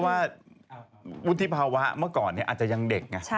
ว่าวุฒิภาวะเมื่อก่อนอาจจะยังเด็กไง